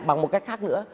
bằng một cách khác nữa